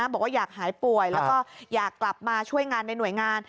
บอกว่าอยากหายป่วยแล้วก็อยากกลับมาช่วยงานในหน่วยงาน